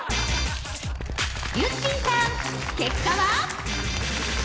ゆってぃさん結果は。